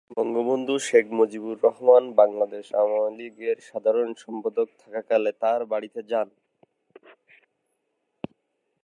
বঙ্গবন্ধু শেখ মুজিবুর রহমান বাংলাদেশ আওয়ামী লীগের সাধারণ সম্পাদক থাকাকালে তার বাড়িতে যান।